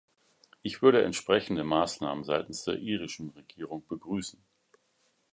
Ich würde entsprechende Maßnahmen seitens der irischen Regierung begrüßen.